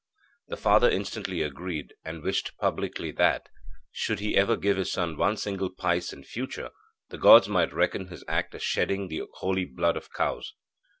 The father instantly agreed, and wished publicly that, should he ever give his son one single pice in future, the gods might reckon his act as shedding the holy blood of cows.